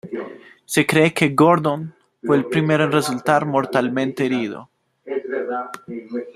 Se cree que Gordon fue el primero en resultar mortalmente herido.